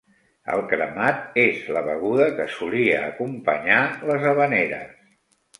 El cremat és la beguda que solia acompanyar les havaneres.